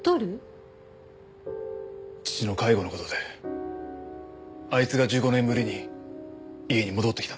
父の介護の事であいつが１５年ぶりに家に戻ってきたんです。